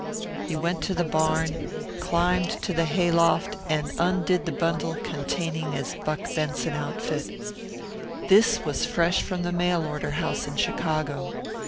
He went to the barn, climbed to the hayloft, and undid the bundle containing his Buck Benson outfit. This was fresh from the mail order house in Chicago.